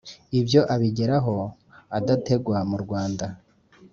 ibyo abigeraho adategwa mu rwanda.